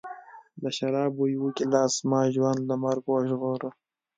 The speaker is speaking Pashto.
د شرابو یوه ګیلاس زما ژوند له مرګ وژغوره